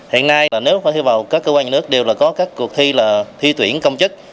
hiện nay nếu phải hy vọng các cơ quan nhà nước đều có các cuộc thi là thi tuyển công chức